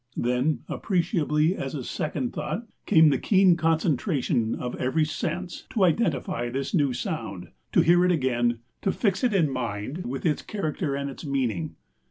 Then, appreciably as a second thought, came the keen concentration of every sense to identify this new sound, to hear it again, to fix it in mind with its character and its meaning.